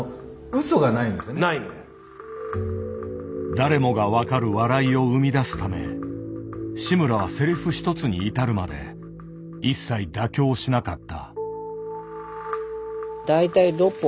誰もが分かる笑いを生み出すため志村はセリフひとつに至るまで一切妥協しなかった。